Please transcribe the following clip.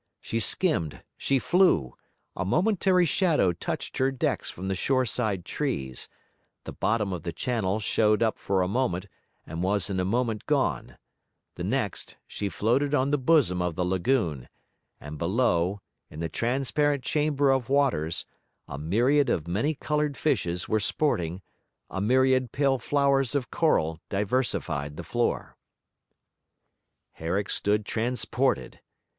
She skimmed; she flew; a momentary shadow touched her decks from the shore side trees; the bottom of the channel showed up for a moment and was in a moment gone; the next, she floated on the bosom of the lagoon, and below, in the transparent chamber of waters, a myriad of many coloured fishes were sporting, a myriad pale flowers of coral diversified the floor. Herrick stood transported.